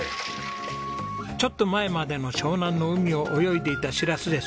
ちょっと前までの湘南の海を泳いでいたしらすです。